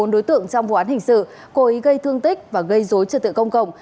bốn đối tượng trong vụ án hình sự cố ý gây thương tích và gây dối trật tự công cộng